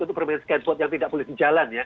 untuk bermain skateboard yang tidak boleh dijalankan